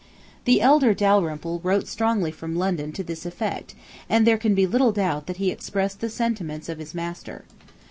The elder Dalrymple wrote strongly from London to this effect, and there can be little doubt that he expressed the sentiments of his master.